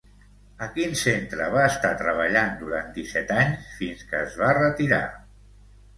A quin centre va estar treballant durant disset anys fins que es va retirar?